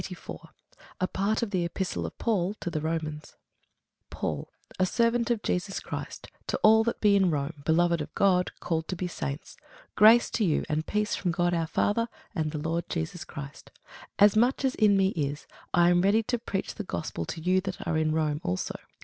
CHAPTER 84 A PART OF THE EPISTLE OF PAUL TO THE ROMANS PAUL, a servant of Jesus Christ, to all that be in Rome, beloved of God, called to be saints: Grace to you and peace from God our Father, and the Lord Jesus Christ. As much as in me is, I am ready to preach the gospel to you that are at Rome also.